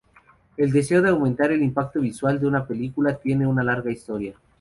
El deseo de aumentar el impacto visual de una película tiene una larga historia.